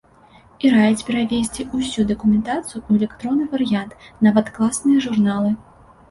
І раіць перавесці ўсю дакументацыю ў электронны варыянт, нават класныя журналы.